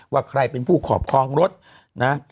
ว่าใครเป็นผู้ขอบครองรถนะ